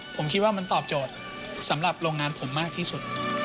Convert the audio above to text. ผมคิดว่ามันตอบโจทย์สำหรับโรงงานผมมากที่สุด